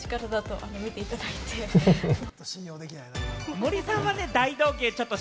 森さんはね、大道芸ちょっと